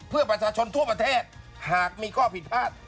เพื่อประชาชนทั่วประเทศหากมีข้อผิดพลาด